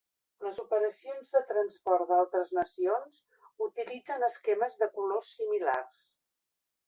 Les operacions de transport d'altres nacions utilitzen esquemes de color similars.